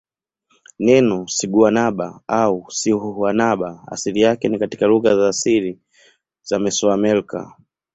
Neno siguanaba au sihuanaba asili yake ni katika lugha za asili za Mesoamerica.